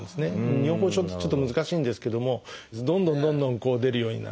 尿崩症ってちょっと難しいんですけどもどんどんどんどん出るようになってしまう。